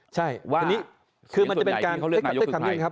ใช่ทีนี้คือมันจะเป็นการแค่อย่างนี้นะครับ